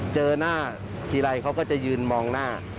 เจอหน้าทีไรเขาก็จะยืนมองหน้า